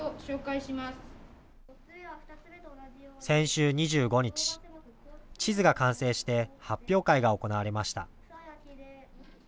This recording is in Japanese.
先週２５日、地図が完成して発表会が行われました。